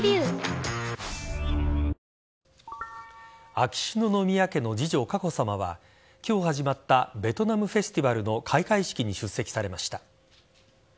秋篠宮家の次女・佳子さまは今日始まったベトナムフェスティバルの開会式に出席されました。